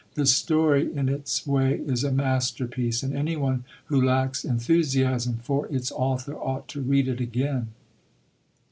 This story in its way is a masterpiece; and anyone who lacks enthusiasm for its author ought to read it again.